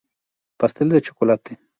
Pastel de chocolate.